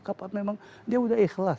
kapan memang dia udah ikhlas